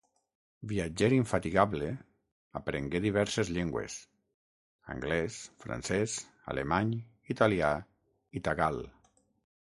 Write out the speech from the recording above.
Viatger infatigable, aprengué diverses llengües: anglès, francès, alemany, italià i tagal.